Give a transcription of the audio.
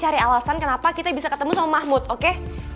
cari alasan kenapa kita bisa ketemu sama mahmud oke